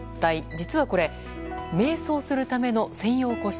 実は、これ瞑想するための専用個室。